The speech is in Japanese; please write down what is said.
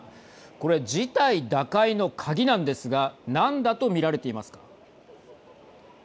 これ事態打開の鍵なんですが何だとみられていますか。